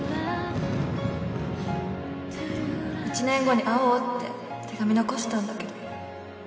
１年後に会おうって手紙残したんだけど